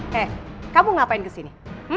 hei kamu ngapain kesini